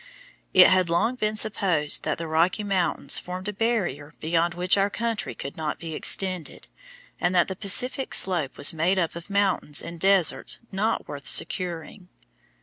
It had long been supposed that the Rocky Mountains formed a barrier beyond which our country could not be extended, and that the Pacific slope was made up of mountains and deserts not worth securing.